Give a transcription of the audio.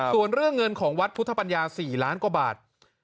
ส่วนเรื่องเงินของวัดพุทธปัญญา๔ล้านกว่าบาท